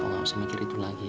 kau gak usah mikir itu lagi ya